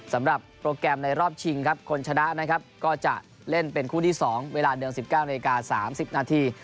สำหรับโปรแกรมในรอบชิงครับคนชนะนะครับก็จะเล่นเป็นคู่ที่๒เวลาเดิม๑๙นาที๓๐นาที